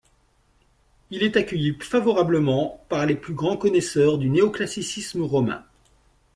Il est accueilli favorablement par les plus grands connaisseurs du néoclassicisme romain.